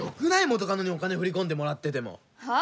元カノにお金振り込んでもらってても。